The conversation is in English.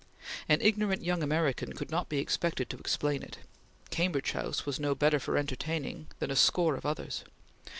An ignorant young American could not be expected to explain it. Cambridge House was no better for entertaining than a score of others.